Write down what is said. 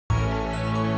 ndra nanti aku bawa